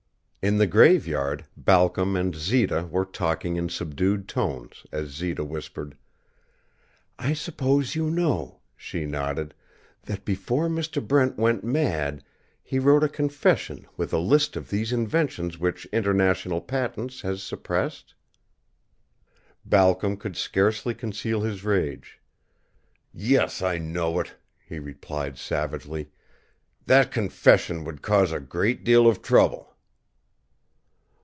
In the Graveyard Balcom and Zita were talking in subdued tones as Zita whispered. "I suppose you know," she nodded, "that before Mr. Brent went mad he wrote a confession with a list of these inventions which International Patents has suppressed?" Balcom could scarcely conceal his rage. "Yes, I know it," he replied, savagely. "That confession would cause a great deal of trouble."